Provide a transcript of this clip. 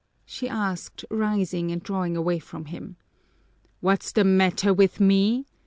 she asked, rising and drawing away from him. "What's the matter with me!"